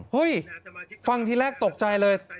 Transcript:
เฮ้ยฟังทีแรกตกใจเลย